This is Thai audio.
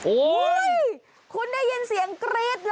โอ้ยคุณได้ยินเสียงกรี๊ดไหมครับ